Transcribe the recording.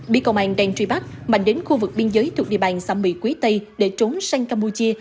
bị công an đang truy bắt mạnh đến khu vực biên giới thuộc địa bàn xã mỹ quý tây để trốn sang campuchia